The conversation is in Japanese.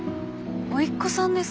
甥っ子さんですか？